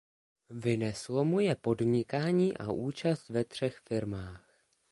Vyneslo mu je podnikání a účast ve třech firmách.